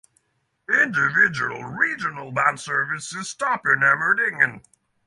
Individual Regionalbahn services stop in Emmendingen.